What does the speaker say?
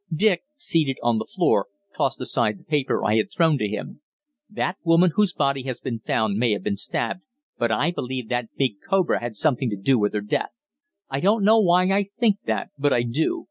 Dick, seated on the floor, tossed aside the newspaper I had thrown to him. "That woman whose body has been found may have been stabbed, but I believe that big cobra had something to do with her death. I don't know why I think that, but I do.